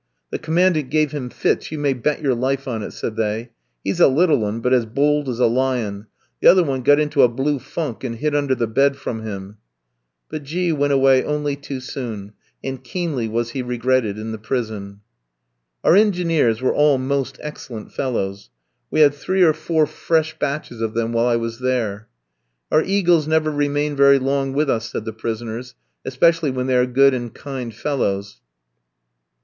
"The Commandant gave him fits, you may bet your life on it," said they; "he's a little 'un, but as bold as a lion; the other one got into a blue funk, and hid under the bed from him." But G kof went away only too soon, and keenly was he regretted in the prison. Our engineers were all most excellent fellows; we had three or four fresh batches of them while I was there. "Our eagles never remain very long with us," said the prisoners; "especially when they are good and kind fellows."